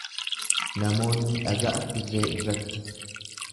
Namoonni dhaga'a dirree irratti.